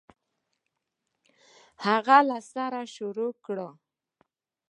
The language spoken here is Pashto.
هغه له سره شروع کړ.